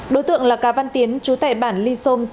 đối tượng là cá văn tiến chú tệ bản li sôm